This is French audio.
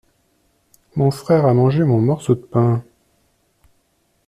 Mon frère a mangé mon morceau de pain.